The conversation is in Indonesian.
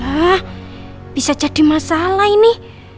wah bisa jadi masalah ini